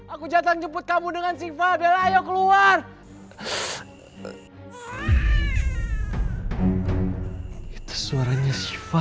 aku datang jemput kamu dengan siva bella ayo keluar itu suaranya siva